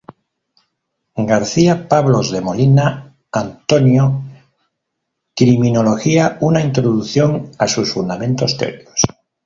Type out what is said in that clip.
García-Pablos de Molina, Antonio: "Criminología Una introducción a sus fundamentos teóricos".